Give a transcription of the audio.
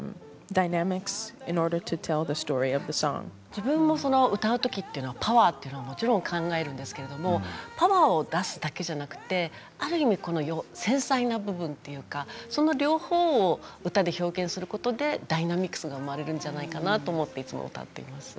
自分も歌う時はパワーをもちろん考えるんですけれどパワーを出すだけではなくてある意味、繊細な部分というかその両方を歌で表現することでダイナミクスが生まれるんじゃないかなと思っています。